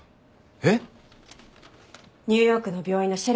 えっ？